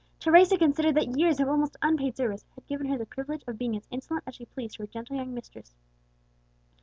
Teresa considered that years of almost unpaid service had given her the privilege of being as insolent as she pleased to her gentle young mistress.